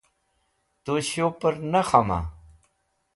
Tu shupẽr na khama.?